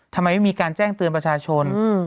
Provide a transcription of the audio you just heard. ทำไมไม่มีการแจ้งเตือนประชาชน